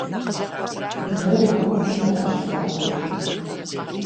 Бжэр и кӏуэцӏымкӏэ къыщызэӏуокӏыр.